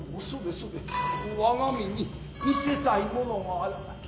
それそれ我が身に見せたいものがある。